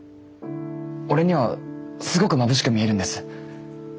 俺にはすごくまぶしく見えるんです。